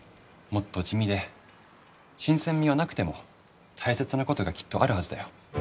もっと地味で新鮮味はなくても大切なことがきっとあるはずだよ。